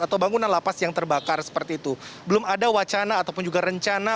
atau bangunan lapas yang terbakar seperti itu belum ada wacana ataupun juga rencana